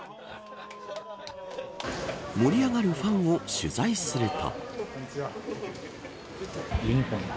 盛り上がるファンを取材すると。